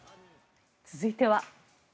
続いては。